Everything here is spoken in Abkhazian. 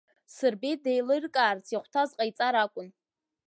Сырбеи деилыркаарц иахәҭаз ҟаиҵар акәын.